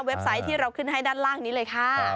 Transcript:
ไซต์ที่เราขึ้นให้ด้านล่างนี้เลยค่ะ